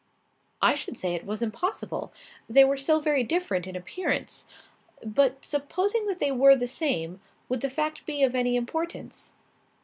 "I should say it was impossible. They were so very different in appearance. But supposing that they were the same; would the fact be of any importance?"